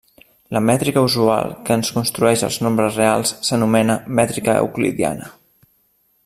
La mètrica usual que ens construeix els nombres reals s'anomena mètrica euclidiana.